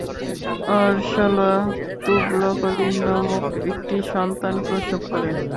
আর সালা তুবলাকীন নামক একটি সন্তান প্রসব করেন।